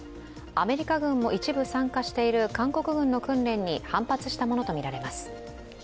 アメリカ軍も一部参加している韓国軍の訓練に反発したものとみられます。